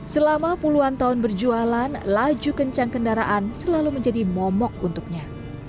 selama puluhan tahun berjualan laju kencang kendaraan selalu menjadi momok untuknya